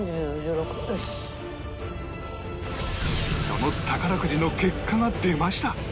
その宝くじの結果が出ました